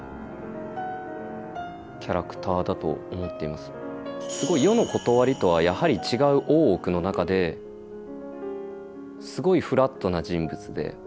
すごい世のことわりとはやはり違う大奥の中ですごいフラットな人物で。